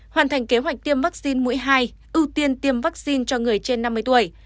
hoàn thành kế hoạch tiêm vaccine mũi hai ưu tiên tiêm vaccine cho người trên năm mươi tuổi